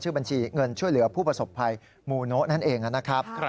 บัญชีเงินช่วยเหลือผู้ประสบภัยมูโนะนั่นเองนะครับ